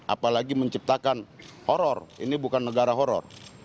apalagi menciptakan horror ini bukan negara horror